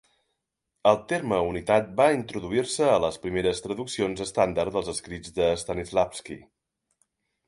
El terme unitat va introduir-se a les primeres traduccions estàndard dels escrits de Stanislavsky.